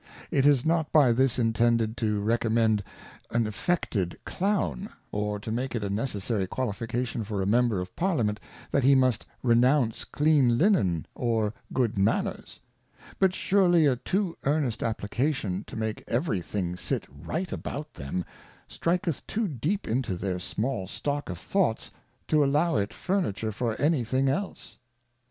It is not by this intended to recommend an affected Clown, or to make it a necessary Qualification for a Member of Parlia ment, that he must renounce clean Linen or good Manners; but surely a too earnest Application to make every thing sit Right about them, striketh too deep into their small stock of Thoughts to allow it Furniture for any thing else.